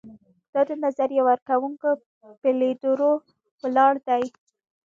دا د نظریه ورکوونکو پر لیدلورو ولاړ دی.